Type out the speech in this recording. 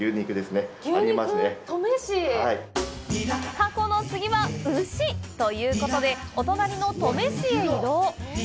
タコの次は牛！ということで、お隣の登米市へ移動。